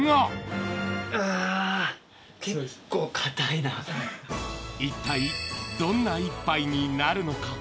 あー、一体どんな一杯になるのか。